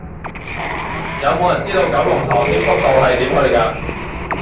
有無人知道九龍塘添福道係點去㗎